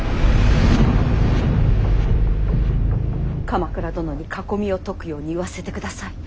鎌倉殿に囲みを解くように言わせてください。